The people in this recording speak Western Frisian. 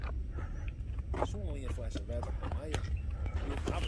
Soenen wy in flesse wetter hawwe meie?